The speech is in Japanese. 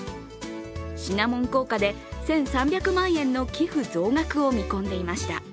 シナモン効果で１３００万円の寄付総額を見込んでいました。